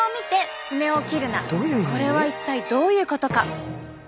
これは一体どういうことか？